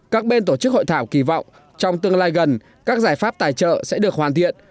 các bên tổ chức hội thảo kỳ vọng trong tương lai gần các giải pháp tài trợ sẽ được hoàn thiện